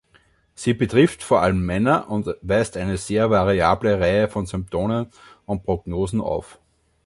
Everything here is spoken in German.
Sie betrifft vor allem Männer und weist eine sehr variable Reihe von Symptomen und Prognosen auf.